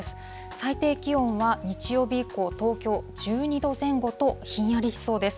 最低気温は日曜日以降、東京１２度前後と、ひんやりしそうです。